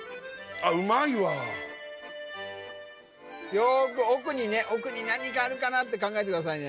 よく奥にね奥に何かあるかなって考えてくださいね